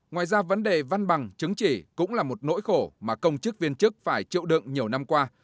ngoài ra vấn đề văn bằng chứng chỉ cũng là một nỗi khổ mà công chức viên chức phải chịu đựng nhiều năm qua